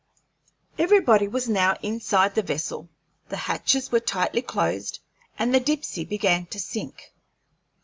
Everybody was now inside the vessel, the hatches were tightly closed, and the Dipsey began to sink.